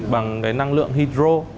bằng cái năng lượng hydro